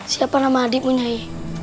siapa nama adikmu nyai